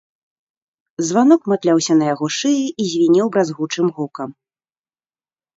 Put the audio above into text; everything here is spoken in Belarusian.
Званок матляўся на яго шыі і звінеў бразгучым гукам.